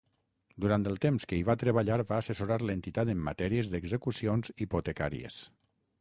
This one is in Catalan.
Durant el temps que hi va treballar va assessorar l'entitat en matèries d'execucions hipotecàries.